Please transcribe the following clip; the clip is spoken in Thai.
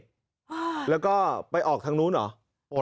พิเศษแล้วก็ไปออกทางนู้นหรอ